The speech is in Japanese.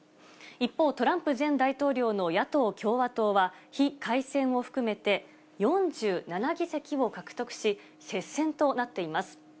一方、トランプ前大統領の野党・共和党は非改選を含めて４７議席を獲得し、接戦となっています。